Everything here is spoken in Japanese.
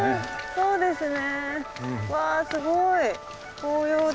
そうですね。